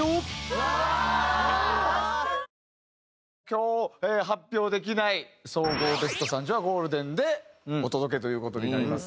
今日発表できない総合ベスト３０はゴールデンでお届けという事になりますが。